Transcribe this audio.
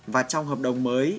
và trong hợp đồng mới